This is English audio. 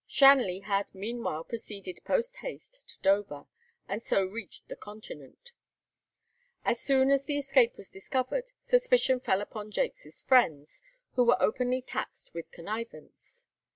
Shanley had meanwhile proceeded post haste to Dover, and so reached the continent. As soon as the escape was discovered, suspicion fell on Jaques's friends, who were openly taxed with connivance.